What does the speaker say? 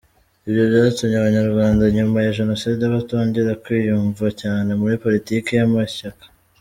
Ibi byatumye Abanyarwanda nyuma ya Jenoside batongera kwiyumva cyane muri Politiki y’amashyaka.